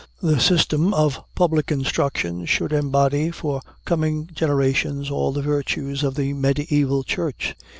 The system of public instruction should embody for coming generations all the virtues of the mediæval church.